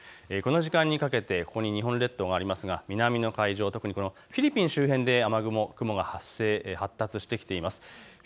この時間にかけて、日本列島がありますが南の海上、特にフィリピン周辺で雨雲、雲が発生、発達してきています。